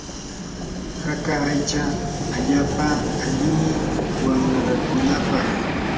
haka aycha allaapa allimi wanrakunapaq.